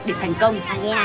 để thành công